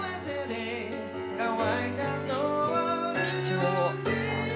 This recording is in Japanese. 貴重。